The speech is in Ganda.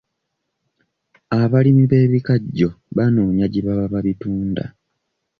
Abalimi b'ebikajjo banoonya gye baba babitunda.